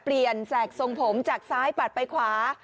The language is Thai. เปลี่ยนแสกทรงผมจากซ้ายปัดไปขวา